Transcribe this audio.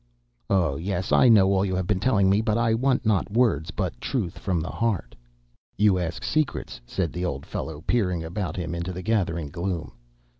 Oh yes, I know all you have been telling me, but I want not words but truth from the heart?' "'You ask secrets,' said the old fellow, peering about him into the gathering gloom.